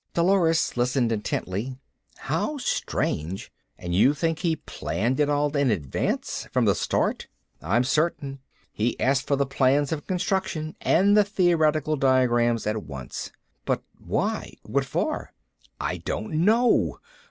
Dolores listened intently. "How strange. And you think he planned it all in advance, from the start?" "I'm certain. He asked for the plans of construction and the theoretical diagrams at once." "But why? What for?" "I don't know.